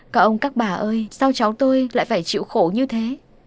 các ông các bà ơi sao cháu tôi lại phải chịu khổ như thế